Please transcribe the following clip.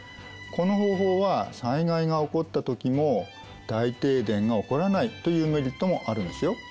この方法は災害が起こった時も大停電が起こらないというメリットもあるんですよ。